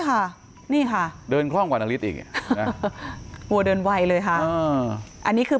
ค่ะนี่ค่ะเดินคล่องกว่านาริสอีกวัวเดินไวเลยค่ะอันนี้คือ